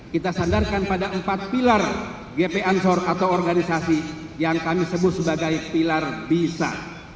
kita sandarkan pada empat pilar gp ansor atau organisasi yang kami sebut sebagai pilar bisa